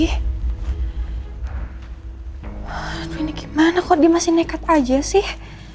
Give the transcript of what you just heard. wah ini gimana kok dia masih nekat aja sih